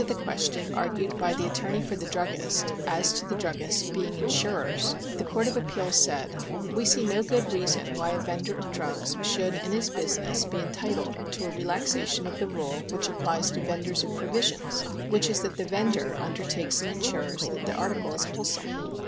71 the question argued by the attorney for the druggist, as to the druggists being insurers, the Court of Appeals said :" We see no good reason why a vendor of drugs should in his business be entitled to a relaxation of the rule which applies to vendors of provisions, which is that the vendor undertakes and insures that the article is wholesome.